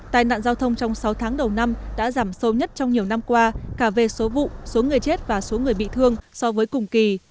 tài nạn giao thông trong sáu tháng đầu năm đã giảm sâu nhất trong nhiều năm qua cả về số vụ số người chết và số người bị thương so với cùng kỳ